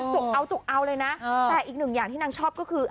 จกเอาจกเอาเลยนะแต่อีกหนึ่งอย่างที่นางชอบก็คือ